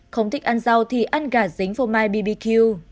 không thích ăn rau thì ăn gà dính phô mai bbq